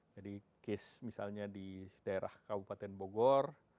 jadi case misalnya di daerah kabupaten bogor